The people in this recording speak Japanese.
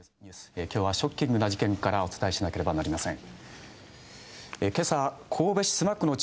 今日はショッキングな事件からお伝えしなければなりません。